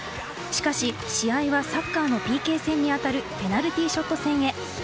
しかし試合はサッカーのＰＫ戦にあたるペナルティーショット戦へ。